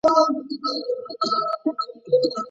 د فکرونو تنظیمول د لیکلو له لاري ډیر اسانه کیږي.